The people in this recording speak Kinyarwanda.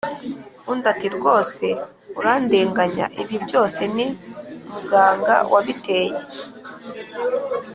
undi ati: “rwose urandenganya ibi byose ni muganga wabiteye!